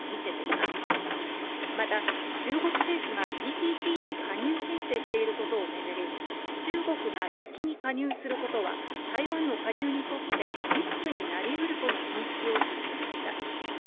また、中国政府がＴＰＰに加入申請していることを巡り、中国が先に加入することは、台湾の加入にとってリスクになりうるとの認識を示しました。